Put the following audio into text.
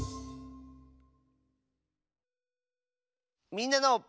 「みんなの」。